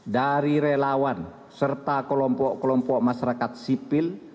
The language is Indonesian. dari relawan serta kelompok kelompok masyarakat sipil